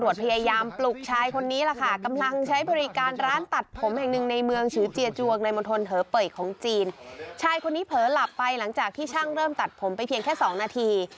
ชายคนนี้เผลอหลับไปหลังจากที่ช่างเริ่มตัดผมไปเพียงแค่๒นาที